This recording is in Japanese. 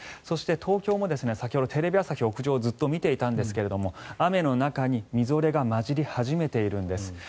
そして、東京も先ほどテレビ朝日屋上をずっと見ていたんですが雨の中に、みぞれが混じり始めているんです。